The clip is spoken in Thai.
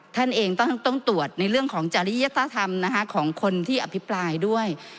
ท่านเองต้องตรวจในเรื่องของจริยธรรมของคนที่อภิปรายด้วย